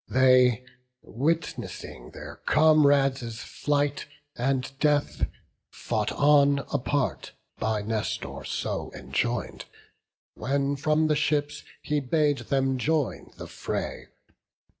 They, witnessing their comrades' flight and death, Fought on apart, by Nestor so enjoin'd, When from the ships he bade them join the fray.